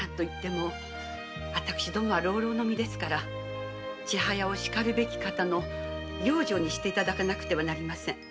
私どもは浪々の身ですから千早をしかるべき方の養女にしていただかなければなりません。